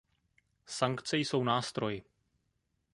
Sankce jsou nástroj.